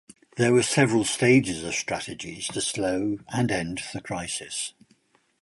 There were several stages of strategies to slow and end the crisis.